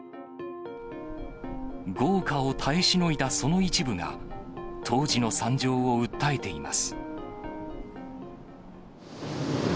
業火を耐えしのいだその一部が、当時の惨状を訴えています。